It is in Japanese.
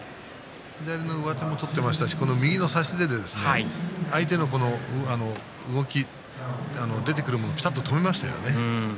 左の上手も取っていましたし、右の差し手で相手の動き、出てくるものをぴたっと止めましたよね。